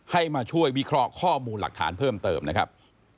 ให้มาช่วยวิเคราะห์ข้อมูลหลักฐานเพิ่มเติมนะครับ